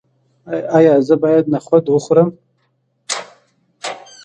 ایا زه باید نخود وخورم؟